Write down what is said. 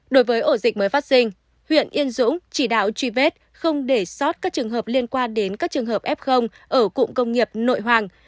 đối với ổ dịch mới phát sinh huyện yên dũng chỉ đạo truy vết không để sót các trường hợp liên quan đến các trường hợp f ở cụm công nghiệp nội hoàng